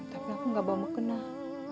tapi aku nggak bawa mekenah